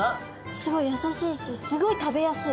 スゴい優しいしスゴい食べやすい。